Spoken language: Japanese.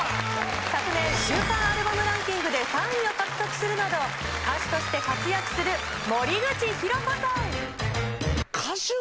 昨年週間アルバムランキングで３位を獲得するなど歌手として活躍する森口博子さん。